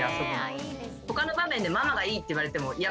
他の場面でママがいいって言われてもいや